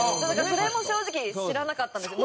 それも正直知らなかったんですよ。